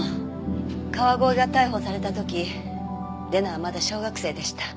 川越が逮捕された時礼菜はまだ小学生でした。